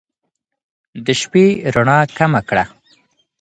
د شپې رڼا کمه کړه